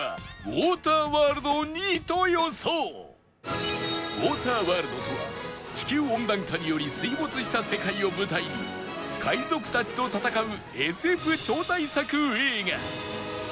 『ウォーターワールド』とは地球温暖化により水没した世界を舞台に海賊たちと戦う ＳＦ 超大作映画